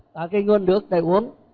cả cái nguồn nước để uống